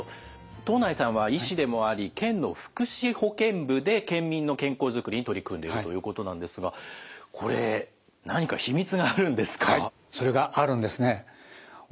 藤内さんは医師でもあり県の福祉保健部で県民の健康づくりに取り組んでいるということなんですがこれ何か秘密があるんですか？